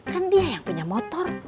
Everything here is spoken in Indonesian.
kan dia yang punya motor